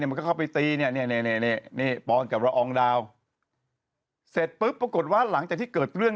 มันก็เข้าไปตีเนี่ยนี่ปอนกับละอองดาวเสร็จปุ๊บปรากฏว่าหลังจากที่เกิดเรื่อง